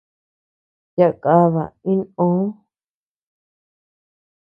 Yaá kaba inʼö.